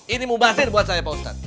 ini mubasir buat saya pak ustadz